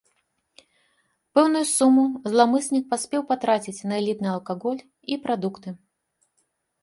Пэўную суму зламыснік паспеў патраціць на элітны алкаголь і прадукты.